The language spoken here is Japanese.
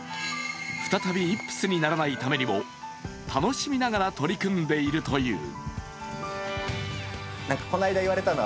再びイップスにならないためにも、楽しみながら取り組んでいるという。